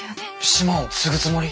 島を継ぐつもり？